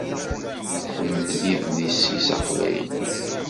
Tḥemmel idles-is aqbayli.